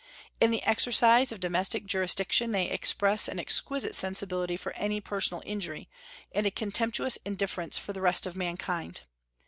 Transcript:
In the exercise of domestic jurisdiction they express an exquisite sensibility for any personal injury, and a contemptuous indifference for the rest of mankind.